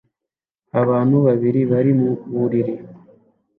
Abantu babiri bari mu buriri